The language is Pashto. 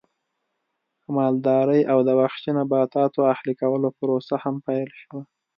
مالدارۍ او د وحشي نباتاتو اهلي کولو پروسه هم پیل شوه